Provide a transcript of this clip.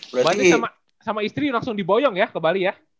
berarti sama istri langsung di boyong ya ke bali ya